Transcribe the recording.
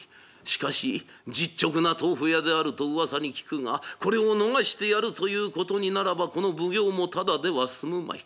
しかし実直な豆腐屋であるとうわさに聞くがこれを逃してやるということにならばこの奉行もただでは済むまい。